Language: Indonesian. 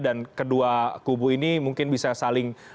dan kedua kubu ini mungkin bisa saling berargumen